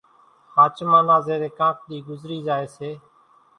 ۿاچمان نا زيرين ڪانڪ ۮِي ڳزري زائي سي